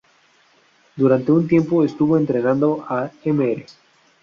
Durante un tiempo estuvo entrenando a Mr.